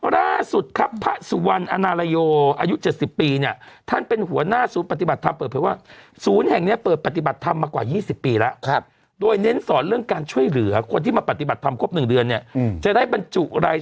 ล่าสุดครับพระสุวรรณอาณาโลย์อายุ๗๐ปีเนี่ย